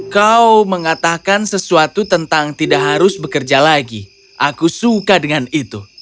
kau mengatakan sesuatu tentang tidak harus bekerja lagi aku suka dengan itu